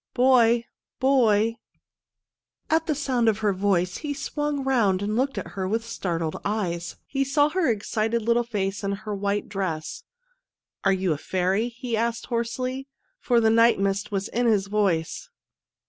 " Boy ! Boy !" At the sound of her voice he swung round and looked at her with startled eyes. CHILDEEN OF THE MOON 157 He saw her excited little face and her white dress. " Are you a fairy ?" he asked hoarsely, for the night mist was in his voice.